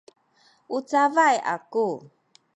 u cabay aku